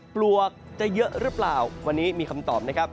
ปลวกจะเยอะหรือเปล่าวันนี้มีคำตอบนะครับ